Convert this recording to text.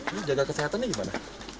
ini jaga kesehatan nih gimana